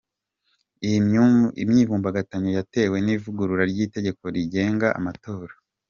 Imyivumbagatanyo yatewe n’ivugurura ry’itegeko rigenga amatora.